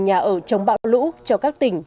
nhà ở chống bão lũ cho các tỉnh